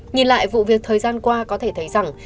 nhìn lại vụ việc thời gian qua có thể thấy rằng